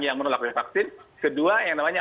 yang menerapi vaksin kedua yang namanya